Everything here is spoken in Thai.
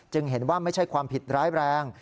เห็นว่าไม่ใช่ความผิดร้ายแรง